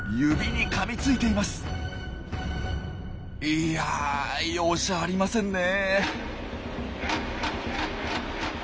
いや容赦ありませんね。